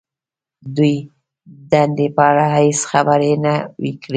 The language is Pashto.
دوی د دندې په اړه هم هېڅ خبرې نه وې کړې